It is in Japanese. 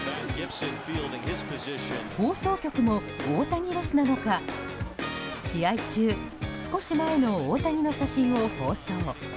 放送局も大谷ロスなのか試合中少し前の大谷の写真を放送。